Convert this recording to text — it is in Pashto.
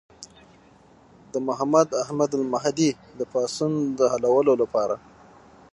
د محمد احمد المهدي د پاڅون د حلولو لپاره.